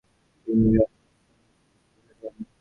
তিনি রাজনীতিতেও যুক্ত থাকেন।